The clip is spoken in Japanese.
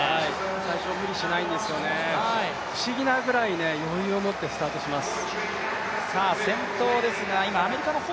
最初は無理しないんですよね、不思議なぐらい余裕をもってスタートします。